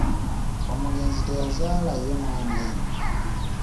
Omugenzi teyazaalayo mwana yenna?